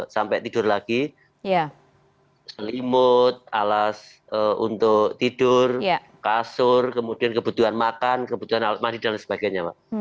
sampai tidur lagi selimut alas untuk tidur kasur kemudian kebutuhan makan kebutuhan alat mandi dan sebagainya